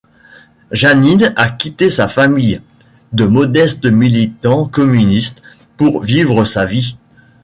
Janine a quitté sa famille, de modestes militants communistes, pour vivre sa vie.